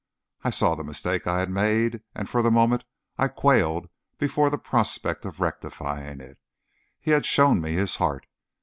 I saw the mistake I had made, and for the moment I quailed before the prospect of rectifying it. He had shown me his heart.